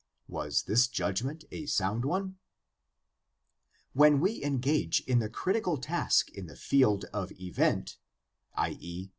Was this judgment a sound one ? When we engage in the critical task in the field of event, i.e.